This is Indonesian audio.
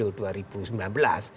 untuk pemilu dua ribu sembilan belas